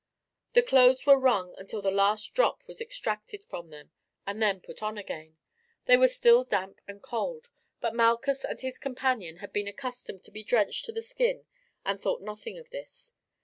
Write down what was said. The clothes were wrung until the last drop was extracted from them and then put on again. They were still damp and cold, but Malchus and his companion had been accustomed to be drenched to the skin, and thought nothing of this.